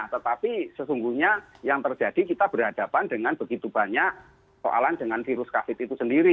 tetapi sesungguhnya yang terjadi kita berhadapan dengan begitu banyak soalan dengan virus covid itu sendiri